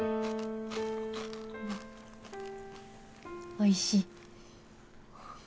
おいしい。